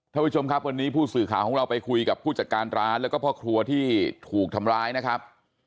ท่านผู้ชมครับวันนี้ผู้สื่อข่าวของเราไปคุยกับผู้จัดการร้านแล้วก็พ่อครัวที่ถูกทำร้ายนะครับ